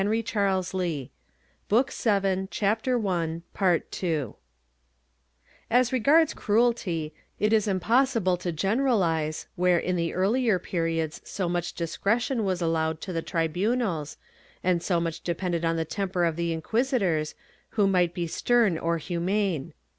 ^ As regards cruelty, it is impossible to generalize, where in the earher periods so much discretion was allowed to the tribunals, and so much depended on the temper of the inquisitors, who might be stern or humane.